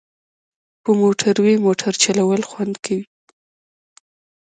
په موټروی موټر چلول خوند کوي